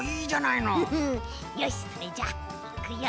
よしそれじゃあいくよ。